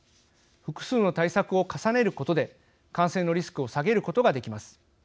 複数の対策を重ねることで感染のリスクを下げることができます。